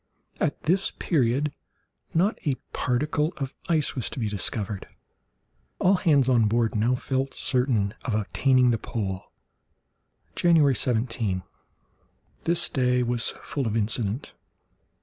At this period not a particle of ice was to be discovered. All hands on board now felt certain of attaining the pole. January 17.—This day was full of incident.